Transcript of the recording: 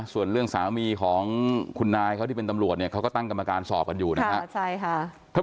ส่วนเรื่องสามีของคุณนายเขาที่เป็นตำรวจเนี่ยเขาก็ตั้งกรรมการสอบกันอยู่นะครับ